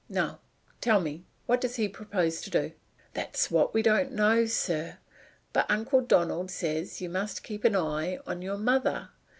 Now, tell me, what does he propose to do?" "That's what we don't know, sir; but Uncle Donald says you must keep an eye on your mother.